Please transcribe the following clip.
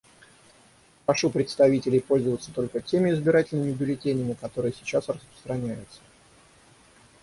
Прошу представителей пользоваться только теми избирательными бюллетенями, которые сейчас распространяются.